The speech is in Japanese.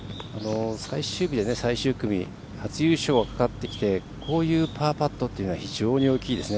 最終日で最終組初優勝がかかってきてこういうパーパットっていうのは非常に大きいですね。